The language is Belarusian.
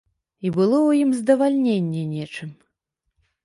І было ў ім здавальненне нечым.